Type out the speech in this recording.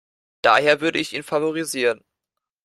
Daher würde ich ihn favorisieren.